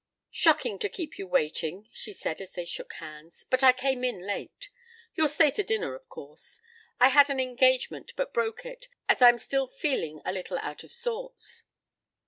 "Shocking to keep you waiting," she said as they shook hands, "but I came in late. You'll stay to dinner, of course. I had an engagement but broke it, as I'm still feeling a little out of sorts."